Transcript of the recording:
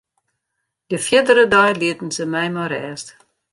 De fierdere dei lieten se my mei rêst.